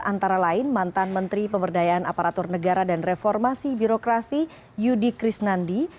antara lain mantan menteri pemberdayaan aparatur negara dan reformasi birokrasi yudi krisnandi